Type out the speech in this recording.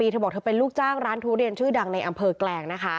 เธอบอกเธอโดนตีด้วยด้ามร่มค่ะ